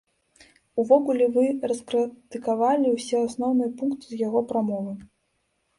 Увогуле, вы раскрытыкавалі ўсе асноўныя пункты з яго прамовы.